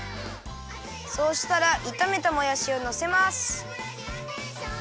そうしたらいためたもやしをのせます。